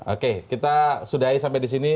oke kita sudahi sampai disini